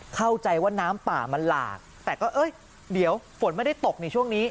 เข้าใจว่าน้ำป่ามันหลากแต่ก็เอ้ยเดี๋ยวฝนไม่ได้ตกในช่วงนี้